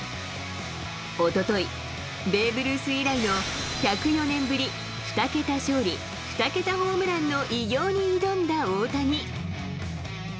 おととい、ベーブ・ルース以来の１０４年ぶり、２桁勝利、２桁ホームランの偉業に挑んだ大谷。